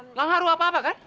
kalau ngaruh apa apa kan